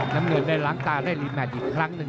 น้ำเงินได้ล้างตาได้รีแมทอีกครั้งหนึ่ง